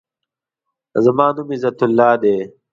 زما نوم عزت الله دی.